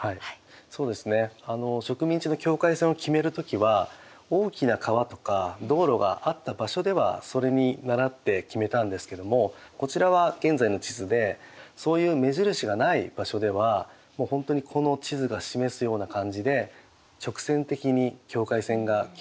そうですね植民地の境界線を決める時は大きな川とか道路があった場所ではそれに倣って決めたんですけどもこちらは現在の地図でそういう目印がない場所ではほんとにこの地図が示すような感じで直線的に境界線が決められました。